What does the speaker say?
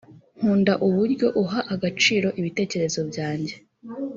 nkunda uburyo uha agaciro ibitekerezo byanjye